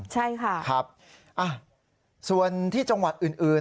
ใช่ค่ะครับส่วนที่จังหวัดอื่น